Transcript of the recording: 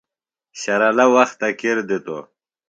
شرلہ وختے کِر دِتوۡ۔